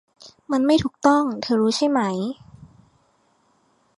มันไม่ถูกต้องเธอรู้ใช่ไหม